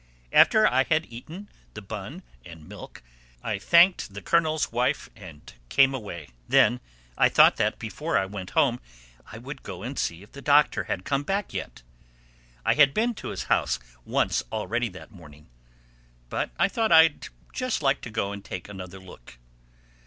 After I had eaten the bun and milk, I thanked the Colonel's wife and came away. Then I thought that before I went home I would go and see if the Doctor had come back yet. I had been to his house once already that morning. But I thought I'd just like to go and take another look.